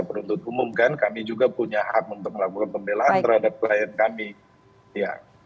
penuntut umum kan kami juga punya hak untuk melakukan pembelaan terhadap klien kami ya